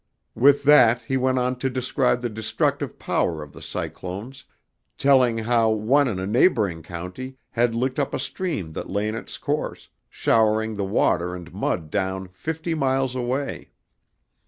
With that he went on to describe the destructive power of the cyclones, telling how one in a neighboring country had licked up a stream that lay in its course, showering the water and mud down fifty miles away.